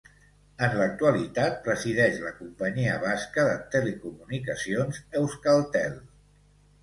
En l'actualitat presideix la companyia basca de telecomunicacions Euskaltel.